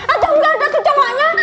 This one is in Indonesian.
atau enggak ada kecomanya